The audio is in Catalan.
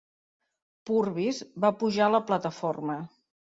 Purvis va pujar a la plataforma.